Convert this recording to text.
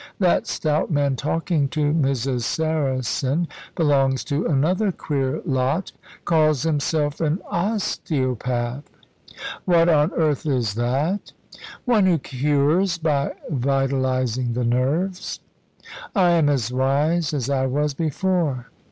That stout man talking to Mrs. Saracen belongs to another queer lot. Calls himself an Osteopath." "What on earth is that?" "One who cures by vitalising the nerves." "I am as wise as I was before.